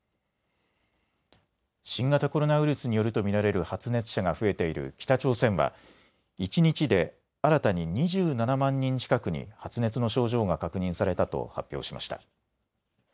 新型コロナウイルスによると見られる発熱者が増えている北朝鮮は一日で新たに２７万人近くに発熱の症状が確認されたと発表しました。